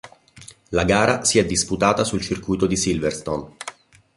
La gara si è disputata sul circuito di Silverstone.